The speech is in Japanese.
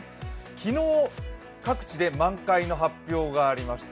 昨日各地で満開の発表がありました。